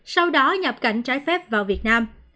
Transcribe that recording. sau đó nhập cảnh trái phép vào việt nam